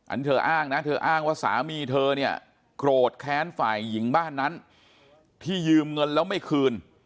อันนี้เธออ้างนะเธออ้างว่าสามีเธอเนี่ยโกรธแค้นฝ่ายหญิงบ้านนั้นที่ยืมเงินแล้วไม่คืน